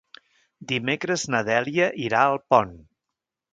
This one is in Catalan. Dimecres na Dèlia irà a Alpont.